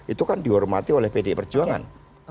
itu kan dihormati oleh pdi perjuangan